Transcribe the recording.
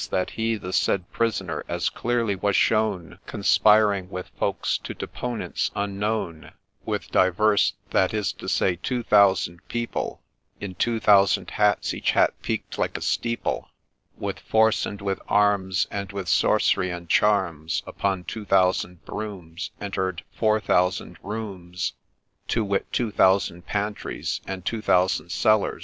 :' That he, the said prisoner, as clearly was shown, Conspiring with folks to deponents unknown, With divers, that is to say, two thousand people, In two thousand hats, each hat peak'd like a steeple, With force and with arms, And with sorcery and charms, Upon two thousand brooms ; Enter'd four thousand rooms To wit, two thousand pantries, and two thousand cellars.